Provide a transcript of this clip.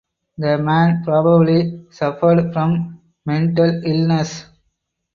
The man probably suffered from mental illness.